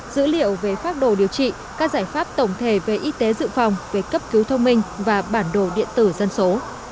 dữ liệu về pháp đồ điều trị các giải pháp tổng thể về y tế dự phòng về cấp cứu thông minh và bản đồ điện tử dân số